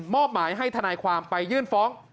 อบหมายให้ทนายความไปยื่นฟ้อง